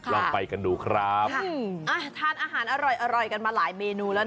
ลองไปกันดูครับ